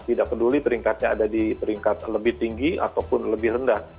tidak peduli peringkatnya ada di peringkat lebih tinggi ataupun lebih rendah